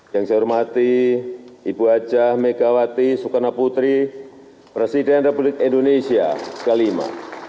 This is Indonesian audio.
yang saya hormati ibu aja megawati sukarnaputri presiden republik indonesia kelima